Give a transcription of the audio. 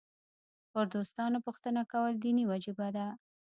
پر دوستانو پوښتنه کول دیني وجیبه ده.